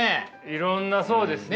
いろんなそうですね。